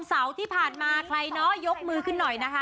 เสาร์ที่ผ่านมาใครเนาะยกมือขึ้นหน่อยนะคะ